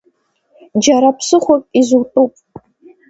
Џьара ԥсыхәак изутәуп.